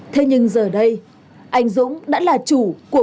thế nhưng giờ đây anh dũng đã là chủ của một lực lượng công an